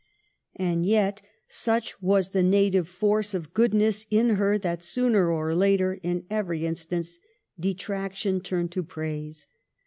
And yet such was the native force of goodness in her that, sooner or later, in every instance, detraction turned to praise.